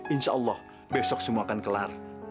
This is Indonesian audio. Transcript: insya allah besok semua akan kelar